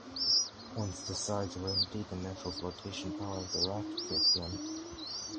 Once the sides were empty the natural flotation power of the raft kicked in.